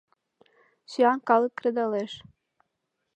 Сӱан калык кредалеш.